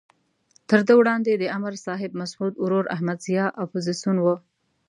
تر ده وړاندې د امر صاحب مسعود ورور احمد ضیاء اپوزیسون وو.